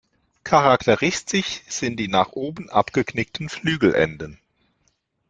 Charakteristisch sind die nach oben abgeknickten Flügelenden.